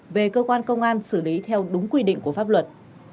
về cơ quan công an xử lý theo đúng quy định của pháp luật